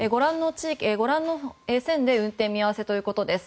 ご覧の線で運転見合わせということです。